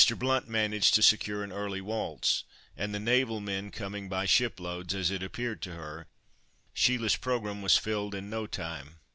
Blount managed to secure an early waltz, and the naval men coming by shiploads, as it appeared to her, Sheila's programme was filled in no time.